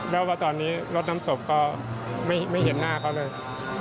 แล้วว่าตอนนี้รถน้ำศพก็ไม่เห็นหน้าเขาเลย